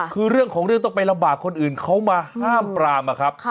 คือเรื่องของเรื่องต้องไปลำบากคนอื่นเขามาห้ามปรามอะครับ